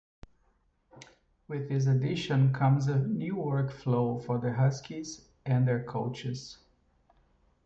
With this addition comes a new work flow for the Huskies and their coaches.